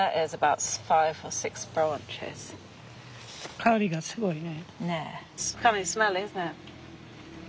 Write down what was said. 香りがすごいね。